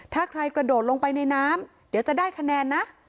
ถ้าใครกระโดดลงไปในน้ำเดี๋ยวจะได้คะแนนนะ